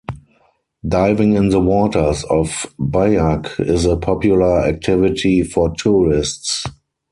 Diving in the waters off Biak is a popular activity for tourists.